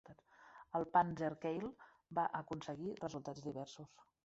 El "panzerkeil" va aconseguir resultats diversos.